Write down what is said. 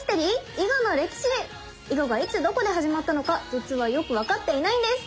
囲碁がいつどこで始まったのか実はよく分かっていないんです！